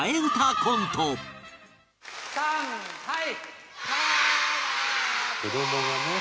さんはい！